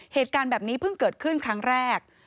เหตุการณ์แบบนี้เพิ่งเกิดขึ้นครั้งแรก